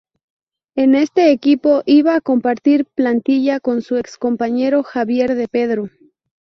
En este equipo iba a compartir plantilla con su ex compañero Javier de Pedro.